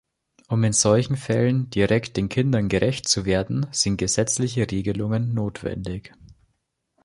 Um in solchen Fällen direkt den Kindern gerecht zu werden, sind gesetzliche Regelungen notwendig.